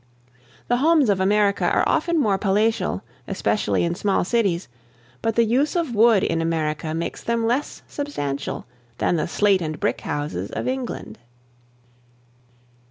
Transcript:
The homes of America are often more palatial, especially in small cities, but the use of wood in America makes them less substantial than the slate and brick houses of England.